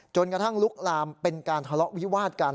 กระทั่งลุกลามเป็นการทะเลาะวิวาดกัน